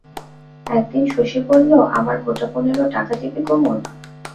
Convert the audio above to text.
একদিন শশী বলল, আমায় গোটা পনেরো টাকা দিবি কুমুদ?